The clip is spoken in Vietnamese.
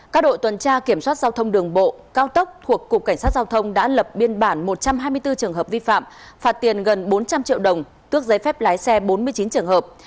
các đội tuần tra kiểm soát giao thông đường bộ cao tốc thuộc cục cảnh sát giao thông đã lập biên bản một trăm hai mươi bốn trường hợp vi phạm phạt tiền gần bốn trăm linh triệu đồng tước giấy phép lái xe bốn mươi chín trường hợp